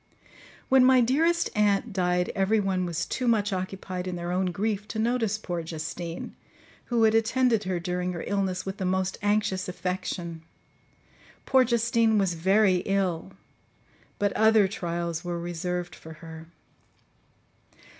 "When my dearest aunt died every one was too much occupied in their own grief to notice poor Justine, who had attended her during her illness with the most anxious affection. Poor Justine was very ill; but other trials were reserved for her.